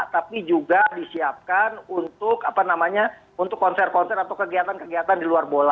tapi juga disiapkan untuk apa namanya untuk konser konser atau kegiatan kegiatan di luar bola